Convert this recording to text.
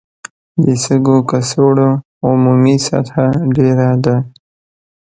د سږو کڅوړو عمومي سطحه ډېره ده.